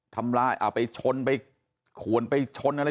ทำร้ายไปชนไปขวนไปชนอะไร